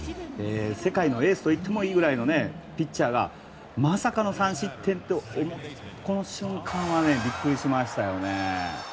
世界のエースと言ってもいいくらいのピッチャーがまさかの３失点と思ったこの瞬間はビックリしました。